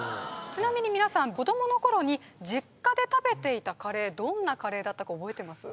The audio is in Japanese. ちなみにみなさん子どもの頃に実家で食べていたカレーどんなカレーだったか覚えてます？